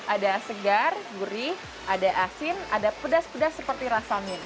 ada segar gurih ada asin ada pedas pedas seperti rasanya